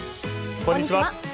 こんにちは。